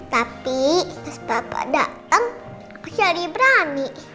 tapi pas papa datang aku cari berani